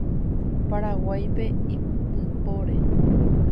Paraguáipe ipypore.